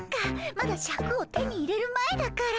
まだシャクを手に入れる前だから。